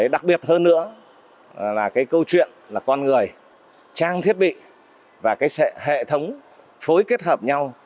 đặc biệt hơn nữa là cái câu chuyện là con người trang thiết bị và cái hệ thống phối kết hợp nhau